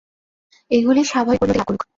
এগুলি স্বাভাবিক পরিণতি লাভ করুক।